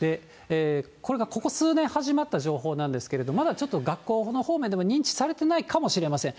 これがここ数年始まった情報なんですけれども、まだちょっと学校の方面でも認知されてないかもしれません。